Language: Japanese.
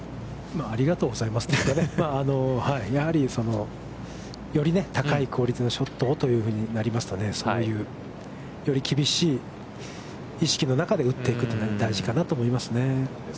ありがとうございますというかね、より高いクオリティーのショットをとなりますと、そういう、より厳しい意識の中で打っていくというのが大事かなと思いますね。